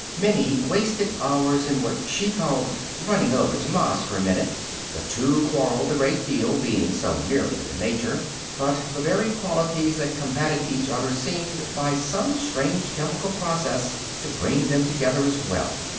Minnie wasted hours in what she called "running over to Ma's for a minute." The two quarreled a great deal, being so nearly of a nature. But the very qualities that combated each other seemed, by some strange chemical process, to bring them together as well.